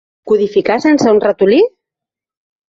Codificar sense un ratolí?